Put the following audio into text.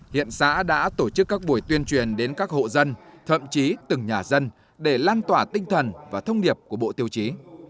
hiện xã đã tổ chức các buổi tuyên truyền đến các hộ dân thậm chí từng nhà dân để lan tỏa tinh thần và thông điệp của bộ tiêu chí